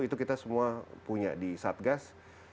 itu kita semua punya di satgas